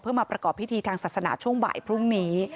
เพื่อมาประกอบพิธีทางศาสนาช่วงบ่ายพรุ่งนี้